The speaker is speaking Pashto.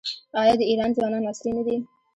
آیا د ایران ځوانان عصري نه دي؟